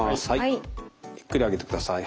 ゆっくり上げてください。